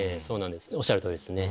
おっしゃる通りですね。